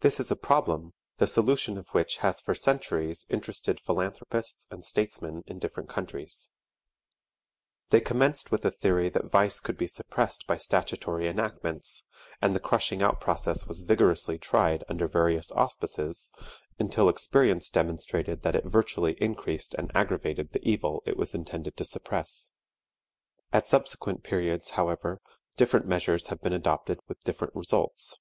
This is a problem the solution of which has for centuries interested philanthropists and statesmen in different countries. They commenced with the theory that vice could be suppressed by statutory enactments, and the crushing out process was vigorously tried under various auspices, until experience demonstrated that it virtually increased and aggravated the evil it was intended to suppress. At subsequent periods, however, different measures have been adopted with different results.